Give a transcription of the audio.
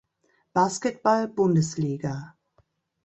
Basketball Bundesliga